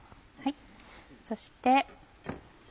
そして。